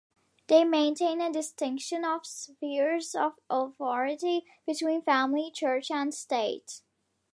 They maintain a distinction of spheres of authority between family, church, and state.